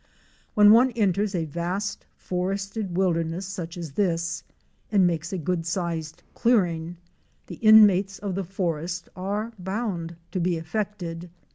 When one enters a vast forested wilderness such as this, and makes a good sized clearing, the inmates of the forest are bound to be affected.